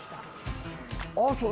ああそう。